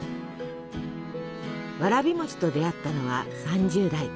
わらび餅と出会ったのは３０代。